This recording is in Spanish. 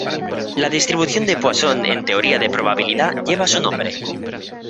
La distribución de Poisson en teoría de probabilidad lleva su nombre.